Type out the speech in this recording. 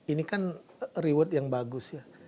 ini kan reward yang bagus ya